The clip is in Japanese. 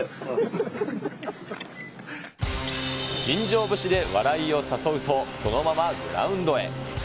新庄節で笑いを誘うと、そのままグラウンドへ。